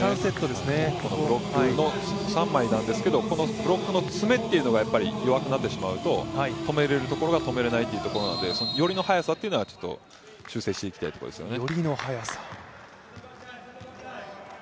三枚なんですけど、このブロックの詰めというのが弱くなってしまうと止めれるところが止めれないというところなので寄りの速さを修正していきたいところですよね。